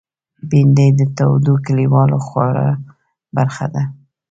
بېنډۍ د تودو کلیوالو خوړو برخه ده